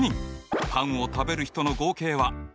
パンを食べる人の合計は２５人。